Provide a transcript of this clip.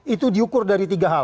itu diukur dari tiga hal